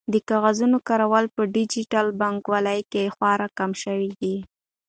د کاغذونو کارول په ډیجیټل بانکوالۍ کې خورا کم شوي دي.